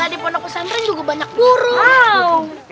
karena pesantren juga banyak burung